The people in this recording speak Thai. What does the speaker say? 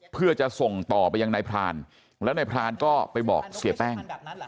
เพื่อจะส่งต่อไปยังนายพรานแล้วนายพรานก็ไปบอกเสียแป้ง